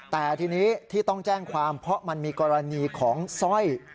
แต่ทีนี้ที่ต้องแจ้งความเพราะมันมีกรณีของสร้อย